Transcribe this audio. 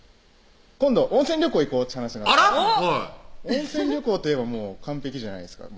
今度温泉旅行行こうって話になって温泉旅行といえばもう完璧じゃないですか